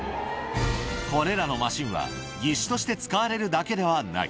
これらのマシンは、義手として使われるだけではない。